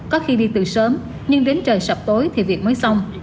có khi đi từ sớm nhưng đến trời sạp tối thì việc mới xong